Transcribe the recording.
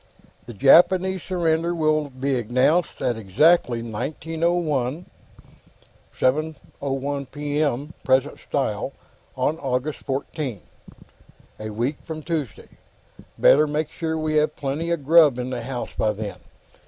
"The Japanese surrender will be announced at exactly 1901 7:01 P. M. present style on August 14. A week from Tuesday. Better make sure we have plenty of grub in the house by then.